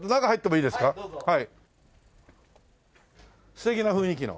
素敵な雰囲気の。